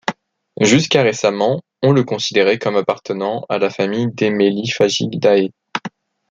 Jusqu'à récemment on le considéré comme appartenant à la famille des Meliphagidae.